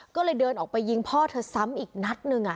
ก็เลยเดินออกไปยิงพ่อเธอซ้ำอีกนัดหนึ่ง